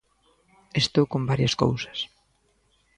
Estou con varias cousas.